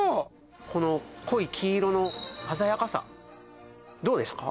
この濃い黄色の鮮やかさどうですか？